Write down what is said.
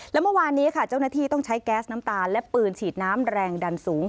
และเมื่อวานนี้ค่ะเจ้าหน้าที่ต้องใช้แก๊สน้ำตาลและปืนฉีดน้ำแรงดันสูง